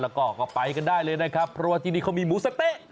แล้วก็ก็ไปกันได้เลยนะครับเพราะว่าที่นี่เขามีหมูสะเต๊ะ